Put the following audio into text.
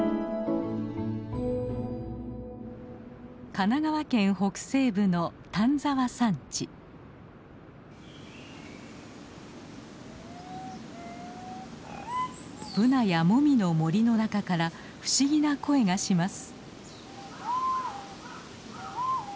神奈川県北西部のブナやモミの森の中から不思議な声がします。